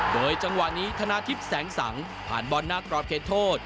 โดยจังหวะนี้ธนาทิพย์แสงสังผ่านบอลหน้ากรอบเขตโทษ